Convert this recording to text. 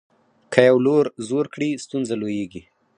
که یو لور زور کړي ستونزه لویېږي.